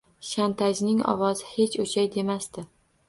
Shantajning ovozi hech oʻchay demasdi.